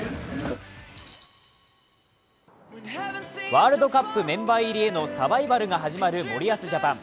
ワールドカップメンバー入りへのサバイバルが始まる森保ジャパン。